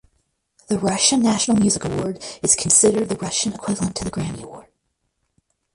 The Russian National Music Award is considered the Russian equivalent to the Grammy Award.